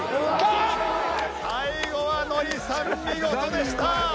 最後はノリさん見事でした！